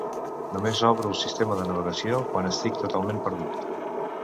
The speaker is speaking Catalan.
Només obro el sistema de navegació quan estic totalment perdut.